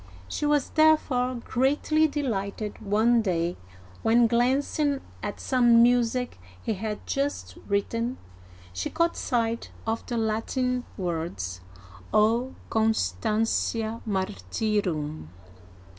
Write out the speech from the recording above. She was therefore greatly delighted one day when, glancing at some music he had just written, she caught sight of the Latin words, " O Constantia Martyrum."